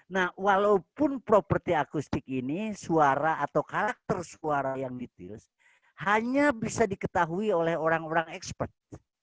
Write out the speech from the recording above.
nah walaupun properti akustik ini suara atau karakter suara yang mitils hanya bisa diketahui oleh orang orang expert